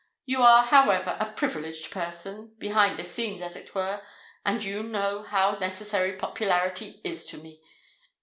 You are, however, a privileged person—behind the scenes, as it were; and you know how necessary popularity is to me.